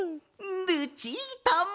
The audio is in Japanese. ルチータも！